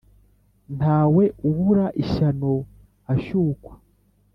Ntawe ubura ishyano ashyukwa.